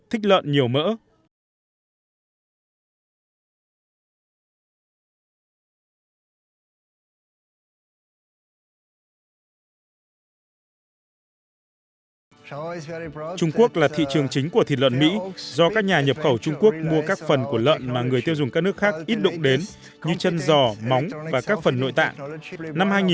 trung quốc là thị trường chính của thịt lợn mỹ do các nhà nhập khẩu trung quốc mua các phần của lợn mà người tiêu dùng các nước khác ít đụng đến như chân giò móng và các phần nội tạng